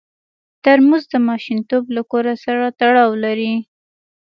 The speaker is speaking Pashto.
ترموز د ماشومتوب له کور سره تړاو لري.